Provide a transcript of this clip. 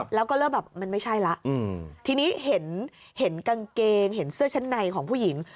แล้วก็เริ่มแบบมันไม่ใช่แล้วทีนี้เห็นกางเกงเห็นเสื้อชั้นในของผู้หญิง